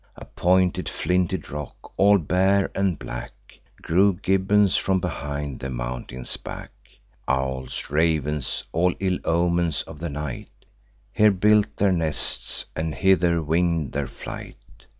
A pointed flinty rock, all bare and black, Grew gibbous from behind the mountain's back; Owls, ravens, all ill omens of the night, Here built their nests, and hither wing'd their flight.